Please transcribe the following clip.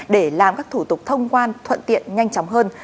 để làm các thủ tục thông quan thuận tiện nhanh chóng hơn